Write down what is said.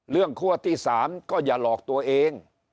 เรื่องคั่วที่สามก็อย่าหลอกตัวเอง